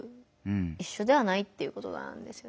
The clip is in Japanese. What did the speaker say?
いっしょではないっていうことなんですよね。